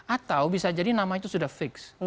atau bisa jadi nama itu sudah fix